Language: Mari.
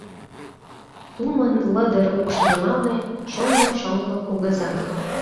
Тумын лыдыр укш йымалне — шоҥго-шоҥго кугыза.